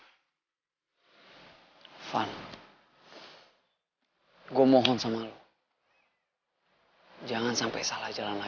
ivan gue mohon sama lu jangan sampai salah jalan lagi ivan